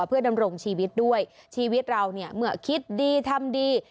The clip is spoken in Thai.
เพื่อดำรงชีวิตด้วยชีวิตเราเนี่ยเมื่อคิดดีทำดี